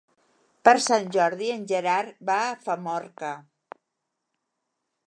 Per Sant Jordi en Gerard va a Famorca.